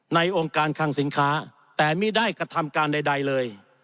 องค์การคังสินค้าแต่ไม่ได้กระทำการใดเลย